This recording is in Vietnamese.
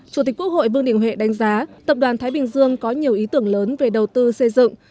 chủ tịch quốc hội vương đình huệ đánh giá tập đoàn thái bình dương có nhiều ý tưởng lớn về đầu tư xây dựng